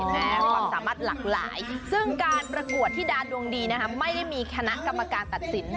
ความสามารถหลากหลายซึ่งการประกวดที่ดาดวงดีนะคะไม่ได้มีคณะกรรมการตัดสิน